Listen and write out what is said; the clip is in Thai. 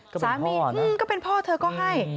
ก็เป็นพ่อนะอืมก็เป็นพ่อเธอก็ให้